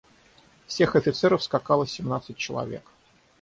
Всех офицеров скакало семнадцать человек.